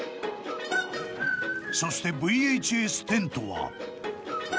［そしてＶＨＳテントは］